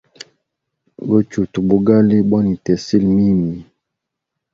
Gochuta bugali bwa nitesile mimi.